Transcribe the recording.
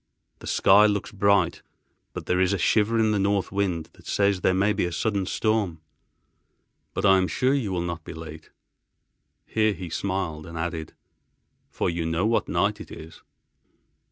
The sky looks bright but there is a shiver in the north wind that says there may be a sudden storm. But I am sure you will not be late." Here he smiled, and added, "for you know what night it is."